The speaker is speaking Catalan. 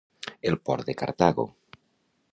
El port de Cartago.